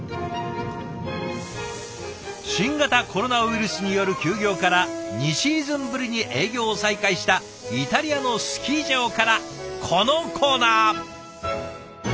新型コロナウイルスによる休業から２シーズンぶりに営業を再開したイタリアのスキー場からこのコーナー。